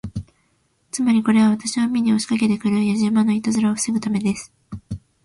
つまり、これは私を見に押しかけて来るやじ馬のいたずらを防ぐためです。